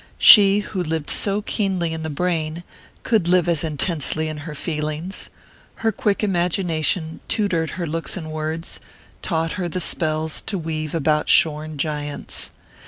She who lived so keenly in the brain could live as intensely in her feelings; her quick imagination tutored her looks and words, taught her the spells to weave about shorn giants.